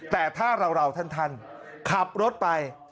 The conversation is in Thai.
แต่ถ้าเราท่านขับรถไป